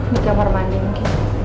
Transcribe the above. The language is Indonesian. di kamar mandeng